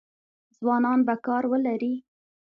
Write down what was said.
ځوانان به کار ولري؟